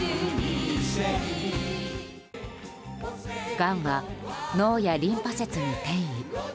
がんは脳やリンパ節に転移。